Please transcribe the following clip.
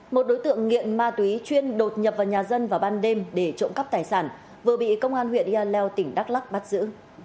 một đối tượng nghiện ma túy chuyên đột nhập vào nhà dân vào ban đêm để trộm cắp tài sản vừa bị công an huyện yà leo tỉnh đắk lắc bắt giữ